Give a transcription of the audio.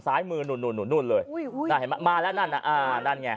ซ้ายมือนู่นนู่นเลยเห็นไหมมาแล้วนั่นน่ะอ่านั่นไง